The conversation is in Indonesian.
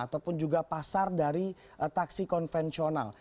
ataupun juga pasar dari taksi konvensional